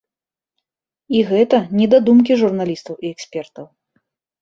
І гэта не дадумкі журналістаў і экспертаў.